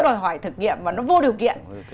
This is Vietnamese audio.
đòi hỏi thực nghiệm và nó vô điều kiện